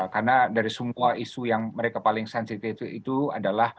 karena dari semua isu yang mereka paling sensitif itu adalah